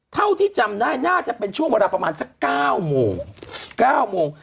เท่าที่จำได้น่าจะเป็นช่วงเวลาประมาณสัก๙โมง๙โมง